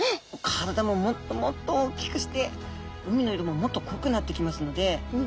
体ももっともっと大きくして海の色ももっと濃くなってきますのではい。